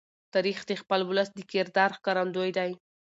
تاریخ د خپل ولس د کردار ښکارندوی دی.